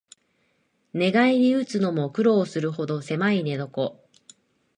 寝返りうつのも苦労するほどせまい寝床